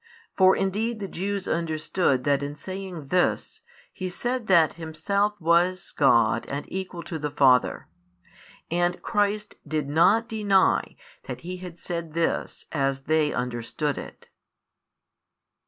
For indeed the Jews understood that in saying this, He said that Himself was God and equal to the Father; and Christ did not deny that He had said this as they understood it.